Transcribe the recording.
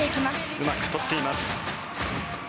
うまく取っています。